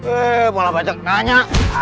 eh malah banyak tanya